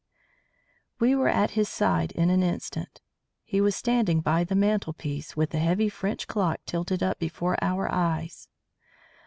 We were at his side in an instant. He was standing by the mantelpiece, with the heavy French clock tilted up before our eyes.